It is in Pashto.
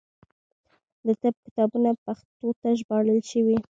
د طب کتابونه پښتو ته ژباړل شوي.